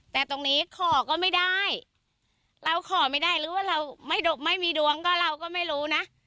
แต่ตรงนี้ขอก็ไม่ได้เราขอไม่ได้หรือว่าเราไม่มีดวงก็เราก็ไม่รู้นะ